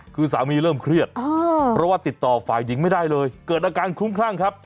คือสามีเริ่มเครียดเพราะว่าติดต่อฝ่ายหญิงไม่ได้เลยเกิดอาการคลุ้มคลั่งครับ